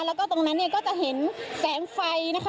แล้วก็ตรงนั้นเนี่ยก็จะเห็นแสงไฟนะคะ